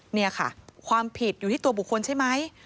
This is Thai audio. นี่ค่ะความผิดอยู่ที่ตัวบุคคลใช่ไหม